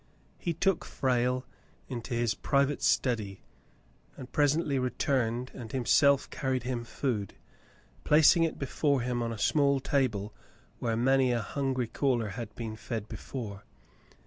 He took Frale into his private study, and presently returned and himself carried him food, placing it before him on a small table where many a hungry caller had been fed before.